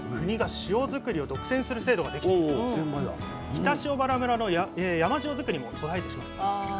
北塩原村の山塩づくりも途絶えてしまいます。